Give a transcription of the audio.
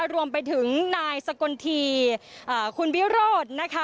รวมไปถึงนายสกลทีคุณบิโรธ